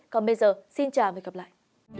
còn bây giờ xin chào và hẹn gặp lại